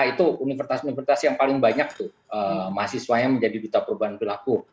itu universitas universitas yang paling banyak tuh mahasiswanya menjadi duta perubahan perilaku